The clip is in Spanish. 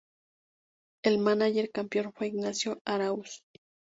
El mánager campeón fue Ignacio Arauz.